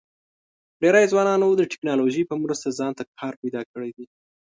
ډېری ځوانانو د ټیکنالوژۍ په مرسته ځان ته کار پیدا کړی دی.